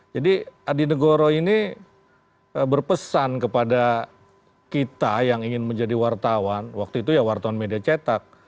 jadi adi negoro ini berpesan kepada kita yang ingin menjadi wartawan waktu itu ya wartawan media cetak